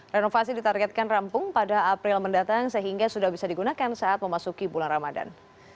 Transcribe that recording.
renovasi ditargetkan rampung pada april mendatang sehingga sudah bisa digunakan saat memasuki bulan ramadan